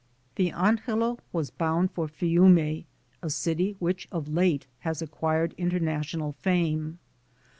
The Angela was bound for Fiume, a city which of late has acquired international fame.